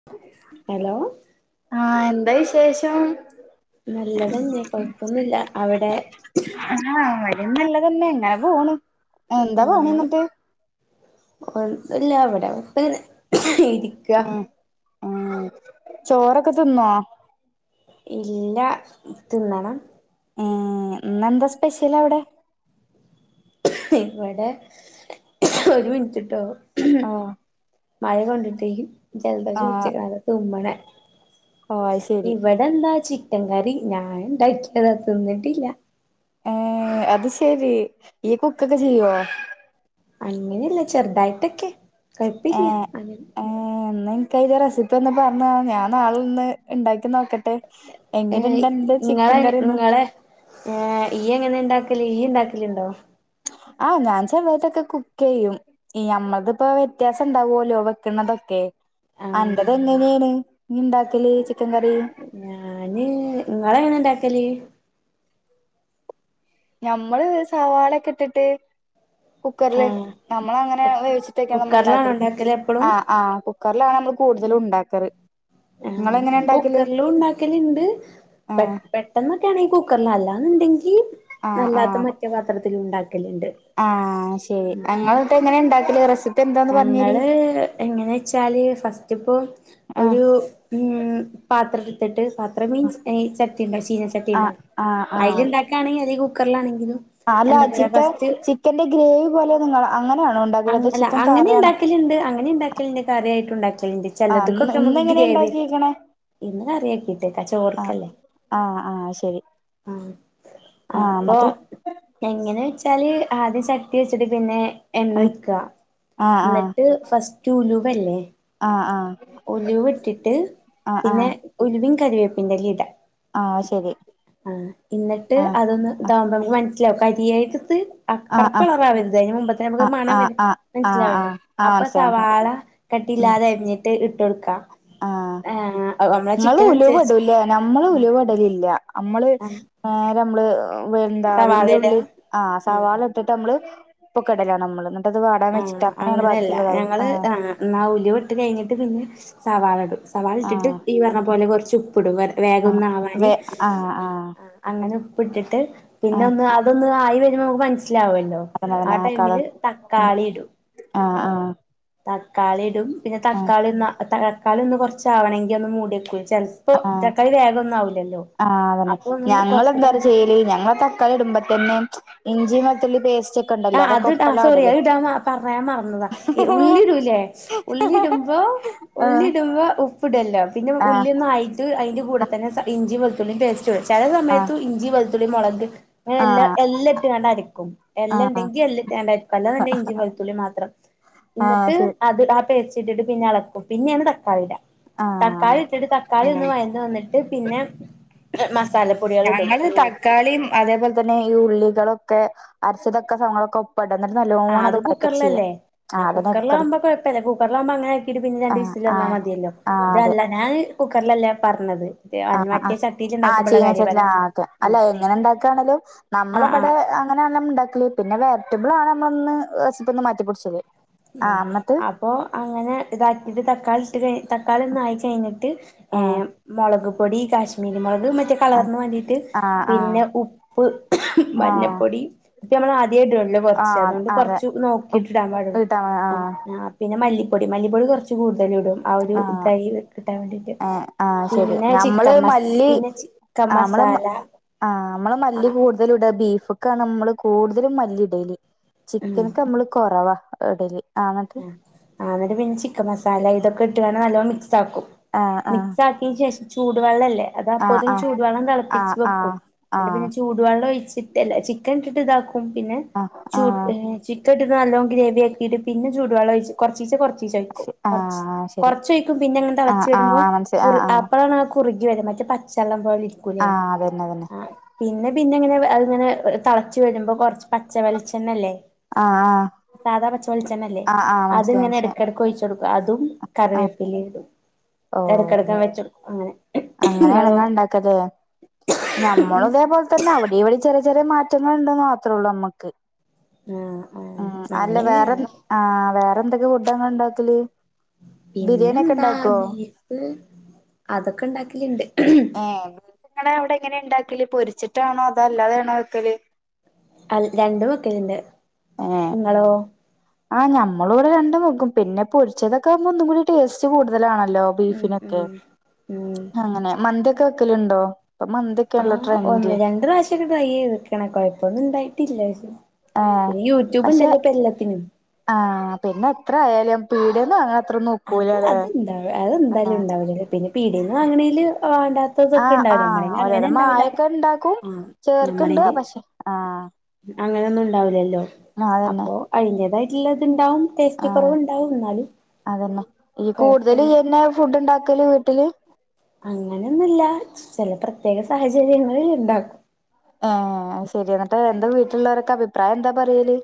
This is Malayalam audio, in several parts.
ഉ ഹലോ ആഹ് എന്താ വിശേഷം നല്ലതന്നെ കൊഴപ്പൊന്നുമില്ല അവിടെ ആഹ് ഇവിടെ നല്ലത് തന്നെ ഇങ്ങനെ പോണു ആഹ് ഒന്നുല്ല അവിടെപ്പ ഇരി ഉം ഉം ചോറൊക്കെ തിന്നോ ഇല്ലാ തിന്നണം ഇന്ന് എന്താ സ്പെഷ്യൽ അവിടെ ഇവിടെ ഒരു മിനിറ്റ്ട്ടോ ഓഹ് മഴ കൊണ്ടിട്ട് ജലദോഷ ആഹ് പിടിച്ചക്ക ആകെ തുമ്മല ഓഹ് അത് ശരി ഇവിടെ എന്താ ചിക്കൻ കറി ഞാൻ ഉണ്ടാക്കിയത തിന്നിട്ടില്ല ഏഹ് അത് ശെരി ഇയ്യ് കുക്കൊക്കെ ചെയ്യുവോ? അങ്ങനെയല്ല ചെറുതായിട്ടൊക്കെ കുഴപ്പില്ല ഏഹ് അങ്ങ ഏഹ് എന്ന ഇനിക്ക് അയിന്റെ റെസിപ്പി ഒന്ന് പറഞ് താ ഞാൻ നാളൊന്ന് ഇണ്ടാക്കി നോക്കട്ടെ എങ്ങനെ ഏഹ് ഇണ്ട് അന്റെ ചിക്കൻ ഇങ്ങളെ കറിന്ന് ഇങ്ങളെ ഏഹ് ഇയ്യ് എങ്ങനെ ഇണ്ടാക്കല് ഈ ഇണ്ടാക്കലുണ്ടോ? ആഹ് ഞാൻ ചെറുതായിട്ടൊക്കെ കുക്ക് ചെയ്യും ഈ നമ്മളത് ഇപ്പോ വ്യത്യാസം ഉണ്ടാവല്ലോ വെക്കുന്നതൊക്കെ അന്റെത് ആഹ് എങ്ങനെയാണ് നീ ഇണ്ടാക്കല് ചിക്കൻ കറി ഞാന് ഇങ്ങളെങ്ങനെ ഇണ്ടാക്കല് ഞമ്മള് സവാളൊക്കെ ഇട്ടിട്ട് കുക്കറില് ആഹ് നമ്മള അങ്ങനെ വേവിച്ചിട്ടൊക്കെ നമ്മൾ കുക്കറിലാണോ ഉണ്ടാക്കല് ഇണ്ടാക്കല് എപ്പളും ആഹ് ആഹ് കുക്കറിലാണ് നമ്മള് കൂടുതലും ഉണ്ടാക്കാറ് നിങ്ങളെങ്ങനെ ആഹ് ഉണ്ടാക്കല് കുക്കറിലും ഉണ്ടാക്കലുണ്ട് പ ആഹ് പെട്ടെന്നൊക്കെയാണെങ്കിൽ കുക്കറിൽ അല്ലാന്നുണ്ടെങ്കിൽ ആഹ് ആഹ് അല്ലാത്ത മറ്റ പാത്രത്തിലും ഉണ്ടാക്കലുണ്ട് ആഹ് ശെരി ങ്ങൾ എന്നിട്ട് എങ്ങനെണ്ടാക്കല് റെസി ഞങ്ങള് എങ്ങനെച്ചാല് ഫസ്റ്റ്പ്പോ ആഹ് ഒരു ഉം പാത്രം എടുത്തിട്ട് പാത്രം മീൻസ് ചട്ടി ഉണ്ടാവും ചീനച്ചട്ടി ഉണ്ടാവും. ആ, ആ അയില്ണ്ടാക്കാണെങ്കി അല്ലെ കുക്കറിലാണങ്കിലും. ആ അല്ല ചിക്ക ചിക്കന്റെ ഗ്രേവി പോലെ നിങ്ങ അങ്ങനെയാണോ. അ ഉണ്ടാക്കല് അതോ അല്ല ചിക്കൻ അങ്ങനെ കറിയാണോ ഇണ്ടാക്കല്ണ്ട് അങ്ങനെ ഇണ്ടാക്കലുണ്ട് കറിയായിട്ട് ഉണ്ടാക്കലിണ്ട്. ആഹ് ചെലത് ക്ക് ഇന്ന് ഒക്കെ നമ്മക്ക് ഇന്നെങ്ങനെ ഗ്രേവി. ഉണ്ടാക്കിയേക്കണേ ഇന്ന് കറിയക്കിട്ടേ കച ആഹ് ച്ചോർക്കല്ലേ. ആഹ് ആഹ് ശരി ആഹ് ആഹ് എന്നിട്ട്. എങ്ങനെച്ചാല് ആദ്യം ചട്ടി വെച്ചിട്ട് പിന്നെ. എണ്ണഒയ്ക്ക. ആഹ് ആഹ് എന്നിട്ട് ഫസ്റ്റ് ഉലുവല്ലേ ആഹ് ആഹ് ഉലുവ ഇട്ടിട്ട് ആഹ് പിന്നെ ആഹ് ഉലുവിം കരിവേപ്പിന്റെല ഇട. ആഹ് ശരി ആഹ് എന്നിട്ട് ആഹ് അതൊന്ന്. ആഹ് ഇതാവുമ്പോ നമുക്ക് മനസ്സിലാവും കരിയെട്ത് ആഹ് കറപ്പളറാവരുത് അതിന് മുമ്പ ആഹ് മണം ആഹ് ആഹ് ആഹ് മനസിലാവല്ലേ ആഹ് ആഹ് അപ്പൊ മനസ്സിലായി മനസ്സിലായി സവാള ഉം കട്ടില്ലാതെ അരിഞ്ഞിട്ട് ഇട്ടൊടുക്ക. ആഹ് നിങ്ങള് അനുസരിച്ച് ഉലുവഇടൂല്ലേ നമ്മള് ആഹ് ഉലുവടലില്ല അമ്മള് ആഹ് നേരെമ്മള് എന്താ സവാള ഇടാ വല്യുള്ളി ആഹ് സവാള. ട്ടിട്ട് മ്മള് ഉപ്പൊക്ക ഇടലാണ് അമ്മള് എന്നിട്ടത് വാടാൻ വച്ചിട്ട് അങ്ങനെയാണ് ബാക്കിയുള്ള കാര്യൾ ആ. എന്ന ഉലുവട്ട് കഴിഞ്ഞിട്ട് പിന്നെ സവാളടും. സവാള ഇട്ടിട്ട് ആഹ് ഈ പറഞ്ഞ പോലെ കുറച്ച് ഉപ്പിടും വേഗം ആഹ് ഒന്ന ആവാന് വേ ആഹ് ആ, ആഹ് ആ അങ്ങനെ ഉപ്പ്ട്ടിട്ട് പിന്നെ ആഹ് ഒന്ന് അതൊന്ന് ആയി വരുമ്പോ നമുക്ക് മനസ്സിലാവല്ലോ. അതന്നെ ആ അതന്നെ ആഹ് കളർ ടൈമില് തക്കാളി ഇടും. ആഹ്, ആഹ് തക്കാളി ഇടും പിന്നെ തക്കാളി ഒന്ന് തക്കാളി ഒന്ന് കുറച്ചാവണങ്കി ഒന്ന് മൂടിവെക്കും ചെല സ ആഹ് ആ അതന്നെ അപ്പൊ ഒന്ന് ഞങ്ങളെന്താ കൊറച്ചേരം ചെയ്യല് ഞങ്ങള ക്കാളി ഇടുമ്പോ തന്നെ ഇഞ്ചി വെളുത്തുള്ളി പേസ് ആ അത് ഇടാ സോറി അത് ഇടാൻ പറയാൻ മറന്നതാ ഉള്ളിടൂല്ലേ. ഉള്ളിടുംമ്പോ ആഹ് ഉള്ളിടുമ്പ ഉപ് ഫുഡ്ല്ല പിന്നെ ആഹ് ഉള്ളിന്നായിട്ട് അയിൻ്റെ കൂടെ തന്നെ ഇഞ്ചി വെളുത്തുള്ളി പേസ്റ്റ് ചെല ആഹ് സമയത്തും ഇഞ്ചി, വെളുത്തുള്ളി മൊളക് അങ്ങനെ എല്ല ആഹ് എല്ലാം ഇട്ട് കണ്ട് അരക്കും. ആഹ് എല്ലാണ്ടെങ്കി അല്ല [unintelligible] ഇഞ്ചി വെളുത്തുള്ളി മാത്രം ആഹ് എന്നിട്ട് ശരി അത് ആ പേസ്റ്റിട്ടിട്ട് പിന്നെ അളക്കും പിന്നെയാണ് തക്കാളിടാ. ആഹ് തക്കാളിട്ടിട്ട് തക്കാളി ആഹ് ഒന്ന് വയന്ന് വന്നിട്ട് പിന്നെ മസാലപ്പൊടിയളിടും. ഞങ്ങള് തക്കാളിയും അതേപോലെ തന്നെ ഈ ഉള്ളികളൊക്കെ അരച്ചതൊക്കെ സങ്ങളൊക്കെ പെടന്നിട്ട ആ നല്ലോണ അത് വൈറ്റാ ചെയ്യ. കുക്കറിലല്ലേ ആ കുക്കറിലാവുമ്പ കുഴപ്പല്ല കുക്കറിലാവുമ്പ അങ്ങനെ ആക്കിയിട്ട് പിന്നെ ആഹ് രണ്ടീസില് വന്നാ ആഹ് മതിയല്ലോ ആഹ് അതെ ഇതല്ല ഞാൻ കുക്കറിലല്ലേ പറഞ്ഞത് ആഹ് മറ്റെ ആഹ് ച ആഹ് ചീനചട്ടില് ആ ക്കെ അല്ലെ എങ്ങനെ ഇണ്ടാക്കാണെലും നമ്മള ആ ആ ആ ഇവിടെ അങ്ങനെയാണ് ണ്ടാക്കല്. പിന്നെ വെരിറ്റബിൾ ആണ് നമ്മളൊന്ന് റെസിപ്പി ഒന്ന് മാറ്റിപ്പൊടിച്ചത്. ആ അപ്പൊ അങ്ങനെ ഇതാക്കിട്ട് തക്കാളി ഇട്ട് തക്കാളിഒന്ന് ആയിക്കഴിഞ്ഞി ട്ട് ആഹ് മൊളക് പൊടി കാശ്മീരി മൊളക് മറ്റേ കളർന് വേണ്ടിട്ട് ആഹ് പിന്നെ ആഹ് ഉപ്പ്, ആഹ് ആഹ് മഞ്ഞപ്പൊടി ഉപ്പമ്മള് ആദ്യായിട്ട് ല്ല കോർച്ച് ആഹ് അതോണ്ട് അതെ കോർച്ച് നോക്കിട്ടിടാൻ ഉപ്പ് പാടുള്ളൂ. ഇട്ടാ മതി ആഹ് ആ പിന്നെ മല്ലിപ്പൊടി, മല്ലിപ്പൊടി കോർച്ച് കൂടുതലിടും ആ ഒരു ഇതായി കിട്ടാൻ വേണ്ടി. ഏ ആഹ് ശരി ഞമ്മള് മല്ലി പിന്നെ ചിക്കൻ ആ മ്മള് മസാല ആഹ് അമ്മള് മല്ലി ആഹ് കൂ തലുട ബീഫൊക്കാണ് നമ്മള് കൂടുതലും മല്ലി ഇടല് ഉം ചിക്കനൊക്കെ അമ്മള് കൊറവാ. ഇഡലി ആഹ്‌ ആഹ്‌ ഇന്നിട്ട് പിന്നെ ചിക്കൻ മസാല ഇതൊക്കെ ഇട്ട്കാണ്ട് നല്ലോം മിക്സ് ആക്കും ആഹ് ആഹ് മിക്സ് ആക്കിയന് ശേഷം ചൂടുവെള്ളം ഇല്ലേ അത് അപ്പോത്തിനും ചൂടുവെള്ളം തെളപ്പിച്ച് വെക്കും എന്നിട്ട് ആഹ്‌ പിന്നെ ചൂടുവെള്ളം ഒഴിച്ചിട്ട് അല്ല ചിക്കൻ ഇട്ടിട്ട് ഇതാക്കും പിന്നെ ആഹ്‌ ചൂട് ചിക്കൻ ഇട്ടിട്ട് നല്ലോം ഗ്രേവി ആക്കിട്ട് പിന്നെ ചൂടു വെള്ളം ഒഴിച്ച് കൊറച്ചീചെ കൊറച്ചീച്ചെ ഒയ്ക്കും കൊറച് ആഹ് ശരി കൊറച്ച് ഒയിക്കും പിന്നെങ്ങ് ആഹ് തെളച്ചു വരുമ്പോ ആഹ് മനസ്സിലായി കുറ് ആഹ് ആഹ് അപ്പളാണ് കുറുകി വര മറ്റേ പച്ചവെള്ളം പോലെ ഇരിക്കൂലെ ആഹ് അതന്നെ അതന്നെ ആഹ്‌ പിന്നെ പിന്നെങ്ങനെ അത്‌ ഇങ്ങനെ തെളച്ചു വരുമ്പോ കുറച്ച് പച്ച വെളിച്ചെണ്ണ ഇല്ലേ ആഹ ആഹ സാധാ പച്ചവെളിച്ചെണ്ണല്ലേ അത് ഇങ്ങനെ മനസ്സിലായി ഇടക്കിടക്ക് ഒഴിച്ചു ട്ക്കും അതും ആഹ് കറിവേപ്പിലേം ഇടും ഇടക്ക് ഇടക്ക് വെച്ചൊട്ക്കും അങ്ങനെ ആണ് ഇങ്ങൾ ഇണ്ടാക്ക ലെ നമ്മളും ഇതേപോലെ തന്നെ അവിടേം ഇവിടേം ചെറിയ ചെറിയ മാറ്റങ്ങൾ ഉണ്ടന്ന് മാത്രേ ഉള്ളൂ നമ്മുക്ക് ആഹ ആഹ്‌ ആഹ് അല്ല വേറെ ആഹ്‌ വേറെന്തൊക്കെ ഫുഡാ ഇങ്ങള് ഇണ്ടാക്കല് പിന്നെ എന്താ ബീഫ് അതൊക്കെ ഇണ്ടാക്കില്ണ്ട് ഏഹ്‌ ബീഫ് ഇങ്ങളെ അവിടെ എങ്ങനെ ഇണ്ടാക്കല് പൊരിച്ചിട്ടാണോ അതോ അല്ലാതാണോ വെക്കല് അത് രണ്ടും വെക്കല്ണ്ട് ഏഹ് ഇങ്ങളോ ആഹ് ഞമ്മളും ഇവിടെ രണ്ടും വെക്കും പിന്നെ പൊരിച്ചതൊക്കെ ആവുമ്പോ ഒന്ന് കൂടി ടേസ്റ്റ് കൂടുതലാണല്ലോ ല്ലോ ഉം ബീഫിനൊക്കെ ഉം ഉം അങ്ങനെ മന്തി ഒക്കെ വെക്കലുണ്ടോ ഇപ്പൊ മന്തി ആഹ ഒന്ന് രണ്ട് പ്രാവശ്യൊക്കെ ട്രൈ ചെയ്ക്ക്ണ് കൊഴപ്പൊന്നും ഇണ്ടായിട്ടില്ല പക്ഷെ ആഹ പക്ഷെ എല്ലത്തിനും ആഹ പിന്നെ എത്ര ആയാലും പീട്യെന്ന് വാങ്ങ അത് അത് ഇണ്ടാവ് അതെന്തായാലും ഇണ്ടാവില്ല പിന്നെ പീടീന്ന് വാങ്ങ്ണേല് വേണ്ടാ തൊക്കെ ആഹ് ഉണ്ടാവില്ലെ ആഹ് നമ്മളെതില് അങ്ങനെ ഓരോരോ ഇണ്ടാവുല മായൊക്കെ ഇണ്ടാക്കും ആഹ ചേർക്ക്ണ്ട് ഞമ്മളെല് പക്ഷെ ആഹ് അങ്ങനൊന്നും ഉണ്ടാവുല്ലല്ലോ ആഹ് അതന്നെ അപ്പൊ അയിന്റേതായിട്ടുള്ള ഇത്ണ്ടാവും ടേസ്റ്റ് കുറവ്ണ്ടാവും ഇന്നാലും അതെന്നെ ഈ കൂടുതൽ ഇയ്യെന്നെ ഫുഡ് ഇണ്ടാക്കല് വീട്ടില് അങ്ങനെ ഒന്നുല്ല ചെല പ്രത്യേക സാഹചര്യങ്ങളിൽ ഇണ്ടാക്കും ആഹ് അത്‌ ശരി എന്നിട്ട് എന്താ വീട്ടിലുള്ളവരൊക്കെ അഭിപ്രായം എന്താ പറയല്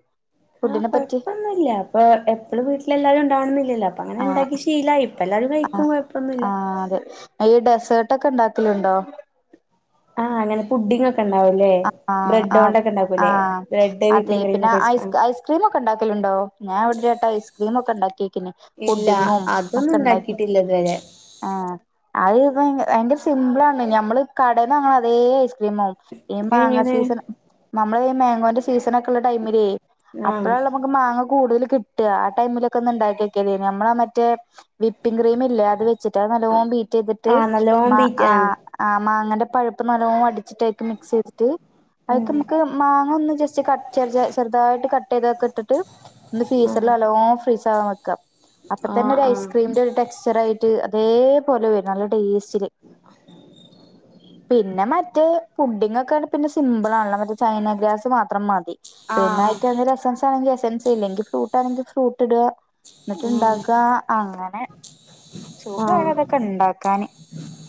ഫുഡിനെ പറ്റി ഇല്ല അപ്പൊ എപ്പളും വീട്ടില് എല്ലാരും ഉണ്ടാവണന്നില്ലല്ലോ അപ്പൊ അങ്ങനെ ഇണ്ടാക്കി ശീലായി ഇപ്പ എല്ലാരും കഴിക്കും ആഹ്‌ കുഴപ്പൊന്നുല്ല ആഹ്‌ അത് ഈ ഡെസേർട്ട് ഒക്കെ ഇണ്ടാക്കലുണ്ടോ ആഹ് അങ്ങനെ പുഡിങ്ങ് ഉണ്ടാവുല്ലേ ആഹ് ആഹ് ബ്രെഡ്ഡോക്കെ ഇണ്ടാക്കൂലെ ആഹ് ബ്രെഡ് വിപ്പിംഗ് ക്രീം ഒക്കെവെച്ച് ക്രീമ് ഒക്കെ ഇണ്ടാക്കലുണ്ടോ ഞാന് ഇവിടൊര്ട്ടം ഐസ്ക്രീം ഒക്കെ ഇണ്ടാക്കി ഇല്ല പുഡിങ്ങും അതൊന്നും ഒക്കെ ഇണ്ടാക്കി ഉണ്ടാക്കിട്ടില്ല ഇതുവരെ ആഹ് അത് ഭയങ്കര സിമ്പിളാണ് ഞമ്മള് കടേന്ന് വാങ്ങ്ണ അതേ ഐസ്ക്രീം ആകും ഈ മാങ്ങ എങ്ങനെ സീസൺ നമ്മള് ഈ മാങ്ങോന്റെ സീസൺ ഒക്കെ ഉള്ള ടൈമിലേ ആഹ് അപ്പഴാണല്ലോ മാങ്ങ കൂടുതൽ കിട്ട ആഹ് ടൈമിലൊക്കെ ഒന്ന് ഇണ്ടാക്കി നോക്കിയതേനി നമ്മളെ ആ മറ്റേ വിപ്പിംഗ് ക്രീം ഇല്ലേ അത് വെച്ചിട്ട് അത് നല്ലോം ബീറ്റ് ചെയ്തിട്ട് ആഹ് നല്ലോം മ ബീറ്റ് ആഹ് ആഹ് മാങ്ങന്റെ പഴുപ്പ് നല്ലോം അടിച്ചിട്ട് അയ്ക്ക് മിക്സ് ചെയ്തിട്ട് ഉം അയ്ക്ക് ഇമ്മക്ക് മാങ്ങ ഒന്ന് ജസ്റ്റ് കട്ട് ചെറ് ചെറുതായിട്ട് കട്ട് ചെയ്തൊക്കെ ഇട്ടിട്ട് ഒന്ന് ഫീസറിൽ ആഹ് നല്ലോം ഫ്രീസ് ആവാൻ വെക്ക അപ്പതന്നെ ഒരു ആഹ് ഐസ്ക്രീം ഒരു ടെക്സ്റ്റർ ആയിട്ട് അതേപോലെ വെരും നല്ല ടേസ്റ്റ് പിന്നെ മറ്റേ പുഡിഗ് ഒക്കെണ്ട് പിന്നെ സിമ്പിൾ ആണല്ലോ മറ്റേ ചൈന ഗ്രാസ് മാത്രം മതി പിന്നെ ആഹ് അയ്ക്ക് എന്തേലും എസൻസ് എസൻസ് ആണെങ്കിൽ എസൻസ് ഇല്ലെങ്കി ഫ്രൂട്ടാണെങ്കിൽ ഫ്രൂട്ട് ഇടാ ആഹ് ഉം എന്നിട്ട്ണ്ടാക്കാ അങ്ങനെ സുഗണ് അതൊക്കെ ഉണ്ടാക്കാാന്.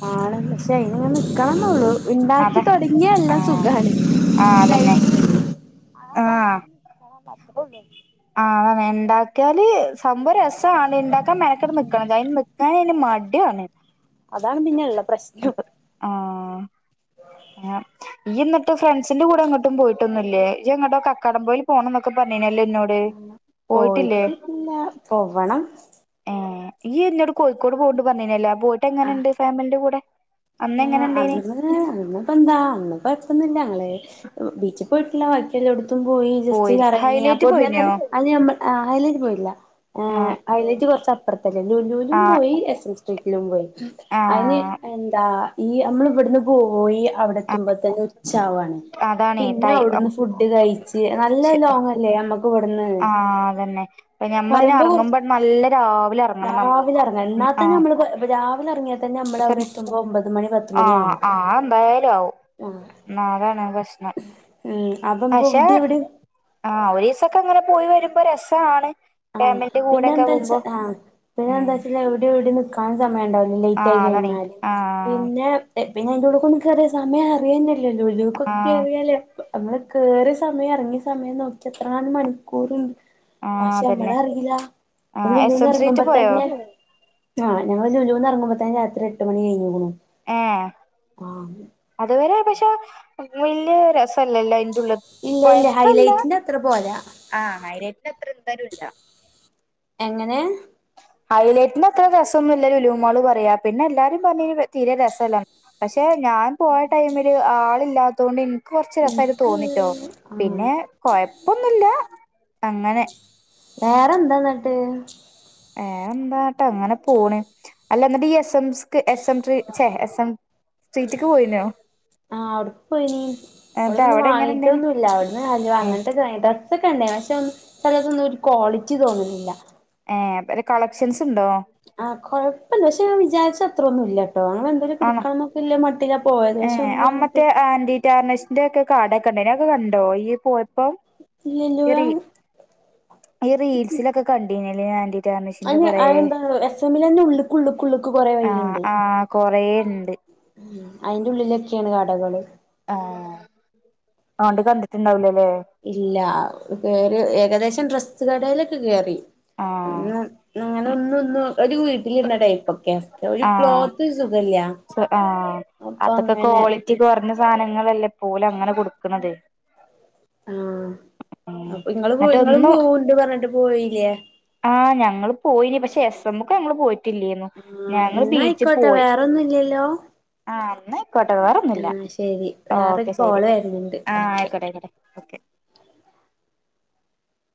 ആൾ, പക്ഷേ അയിനങ്ങനെ നിക്കണംന്നേ ഉള്ളു. ഉണ്ടാക്കി അതെ തുടങ്ങിയ എല്ലാ ആഹ് സുഖമാണ്.. ആ. ആ [inaudible] [unintelligible] മാത്ര പോ ആ, ഉണ്ടാക്കിയാല് സംഭവം രസമാണ്. ഉണ്ടാക്കാൻ മന ടെ നിക്കണം നീക്കാന് ആയിന് മടിയാണ്. അതാണ് പിന്നെയു ള്ള പ്രശ്നം ആ. ആഹ് [inaudible] ഈ എന്നിട്ട് ഫ്രണ്ട്സിന്റെ കൂടെ എ ങ്ങോട്ടും പോയിട്ടൊന്നുന്നില്ലേ? എങ്ങോട്ടൊ കക്കടംമ്പയിൽ പോണം ന്നോ ക്കെ ഒക്കെ പറഞ്ഞിനല്ലോ ഇന്നോട്. പോയിട്ടില്ലേ പോയിട്ടില്ല പോവണം. എ, ഇ, എന്നോട് കോഴിക്കോട് പോണ് ണ്ട് പറഞ്ഞിനല്ലോ, പോയിട്ട് എങ്ങനെണ്ട് ഫാമിലിന്റെ കൂടെ അന്ന് എങ്ങനെ ആ, ഇണ്ടേനി അതിന് അന്നിപ്പോ എന്താ അന്നപ്പോ കുഴപ്പമൊന്നുല്ല. ഞങ്ങൾബീച്ചിൽ പോയിട്ടില്ല. എലോടുത്തും പോയി ജസ്റ്റ് കറങ്ങി. ഹൈലൈറ്റ് അപ്പോ പോയിനോ ത്തന്നെ ആയിലൊന്നും പോയിട്ടില്ല. ആഹ് കൈലേജ് കുറച്ച അപ്പുറത്തല്ലേ! ലൂലൂലും പോയി എസ് എം സ്ട്രീറ്റിലും പോയി. ആ. അ, എന്താ ഈ നമ്മൾ ഇവിടുന്ന് പോയി അവിടെ എത്തുമ്പോ തന്നെ ഉച്ചാവാണ്. അതാണേ പിന്നെ ടൈ ആഹ് അവിടുന്ന് ഫുഡ് കഴിച്ച് നല്ല ലോങ്ങ് ലേ നമ്മക്ക് ഇവിടുന്ന് ആ, അതന്നെ ഞമ്മൾഅ യിന് പറയുമ്പോ കൊറ ഇറങ്ങുമ്പോ നല്ല രാവിലെ ഇറങ്ങണം നമ്മൾ. എന്നാത്തന്നെ നമ്മൾ രാവിലെറങ്ങിയാൽ തന്നെ നമ്മളവിടെ എത്തുബോ ഒമ്പത് മണി പത്തുമണി ആഹ് ആവും. ആഹ് എന്തായാലും ആവും ആ, അതാണ് പ്രശ്നം ഉം, അപ്പൊ [unintelligible] നമുക്ക് എവിടെ എവിടെ ആ, ഒരു രി സക്കെ അങ്ങനെ പോയി വരുമ്പോ രസാ ണ്. ആ, പിന്നെ എന്താച്ചാ ആ, പിന്നെ ഉം എന്താെച്ചാ എവിടെ എവിടെന്ന് നീക്കാൻ സമയം ഉണ്ടാവൂല ലേറ്റ് ആയി ആഹ് അതാണേ കഴിഞ്ഞാല് ആഹ് പിന്നെ പിന്നെ അ യിന്റെ ഉള്ള്‌ക് ഒന്നും കേറിയാൽ സമയം അറിയന്ന ലെ ല്ലോ. ലുലുക് എത്തിയാൽ ആഹ് പിന്നെ [unintelligible] നമ്മളൾ കേറിയസമയം, ഇറങ്ങിയ സമയം നോക്കി എത്ര ങ്ങാനും മണിക്കൂറുണ്ട്. ആഹ് നമ്മള അതന്നെ അറിയില്ല. ആഹ് എസ് ലുലുൽ എം സ്ട്രീറ്റ് ഇറങ്ങുമ്പോ പോയോ തന്നെ ആ, ഞങ്ങളൾ ലുലു ന്ന് എറങ്ങുമ്പോതന്നേയ് രാത്രി എട്ട് മണി കഴിഞ്ഞു ക്ക്ണ്‌. എ. കോറ [unintelligible] അതുവരെ പക്ഷേ വലിയ രസല്ലല്ലോ. ഇല്ല ഇല്ല കൊഴപ്പല്ല. ഹൈലൈറ്റിന്റെ അത്ര പോരാ ആ, ഹൈലെറ്റിന് എത്ര എ ടുത്താലും ഇല്ല. എങ്ങനെ? ഹൈലൈറ്റിന്റെ അത്ര രസംന്നുല്ല ലുലു മാൾ പറയാ, പിന്നെ എല്ലാരും പറഞ്ഞ തീരെ രസല്ല. പക്ഷേ ഞാൻ പോയ ടൈമില് ആൾ ഇല്ലാതോണ്ട് ഇന്നി കൊറച്ച് രസമായിട്ട് എനിക്ക് തോന്നിട്ടോ. ആഹ് പിന്നെ കൊഴപ്പൊന്നുമില്ല അങ്ങനെ വേറെ എന്താന്നിട്ട്. വേറെ എന്താട്ടോ അങ്ങനെ പോണ്. അല്ല എന്നിട്ട് ഈ എസ് എംസ് എസ് എം േ എ എം [unintelligible] സ്രീറ്റക്ക് പോയിനോ? അ, അവിടെക് പോയിനീ എന്നിട്ട് അവിടൊന്നും അവിടെ എങ്ങനെ വാങ്ങീട്ട ഇണ്ടേനി ഒന്നും ഇല്ല. അവിടുന്ന് ഹലുവ ഏ അങ്ങനത്തെട്ടാ അതൊ കണ്ടേ പക്ഷെ ഒന്ന് ചിലത്ഒന്നും ഒരു ക്വാളിറ്റി തോന്നുന്നില്ല. ഏ, പത് കളക്ഷൻസ് ഉണ്ടോ? ആ, കുഴപ്പം ല്ല പക്ഷെ ഞാ വിചാരിച്ച അത്ര ഒന്നും ഇല്ല ട്ടോ അങ്ങനെ എന്തെലും ആണോ എടുക്കണം ന്നാ മട്ടില ഏ അമറ്റെയ് ആന്റി ടർനസ്റ്റിന്റെ ഒക്കെ കട ക്കെ ഉണ്ടയിനു. അതൊക്കെ കണ്ടോ ഈ പോയപ്പോം നല [unintelligible] ഈ റിലീസിലൊക്കെ കണ്ടീനിയല്ലോ ഞാൻ അഹ് എന്താ എസ് എമ്മിൽന്നെ ഉള്ളക്ക് ഉള്ളക്ക് ഉുള്ളക്ക് കൊറെേ ആഹ് വഴിഉണ്ട് ആഹ് കൊറേ ഇണ്ട് ഉം അയിന്റെ ഉള്ളിലൊക്കെയാണ് കടകള് ആ അണ്ട് കണ്ടിട്ടുണ്ടാവലല്ലേ ഇല്ല കേറി ഏകദേശം ഡ്രസ്സ് കടയിലൊക്കെ കേറി ആഹ് അങ്ങനെ ഒന്ന് ഒന്ന് ഒരു വീട്ടിലിണ്ടടൈപ്പൊക്കെ ഒരു ആഹ് ക്ലോത്ത് സുഖില്ല സൊ അപ്പൊ അങ്ങനെ കുറഞ്ഞ സാധനങ്ങളല്ലേ പോൽ അങ്ങനെ കൊടുക്കുന്നത് ആഹ ഉം അപ്പൊ ഇങ്ങള് പോ എന്നിട്ട് നിങ്ങൾ പോണ്ട് പറഞ്ഞിട്ട് പോയില്ലേ ആ ഞങ്ങൾ പോയിനി പക്ഷെ എസ് എം ഒക്കെ ഞങ്ങൾ പോയി് ട്ടി ല്ലെന്നു ആഹ് ഞങ്ങൾ ബീച്ചിൽ എന്നായിക്കോട്ടെ പോയി വേറൊന്നും ഇല്ലല്ലോ ആഹ ന്നാ ആയിക്കോട്ടെ വേറൊന്നില്ല ആഹ് ശരി ഓക്കെ വേറൊരു ശെരി കോള് വരുന്നുണ്ട് ആഹ ഓക്കെ ആയിക്കോട്ടെ ആയിക്കോട്ടെ ഓക്കെ